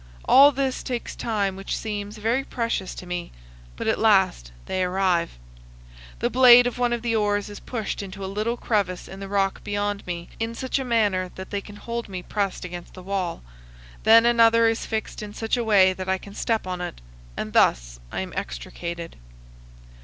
All this takes time which seems very precious to me; but at last they arrive. The blade of one of the oars is pushed into a little crevice in the rock beyond me in such a manner that they can hold me pressed against the wall. Then another is fixed in such a way that I can step on it; and thus I am extricated.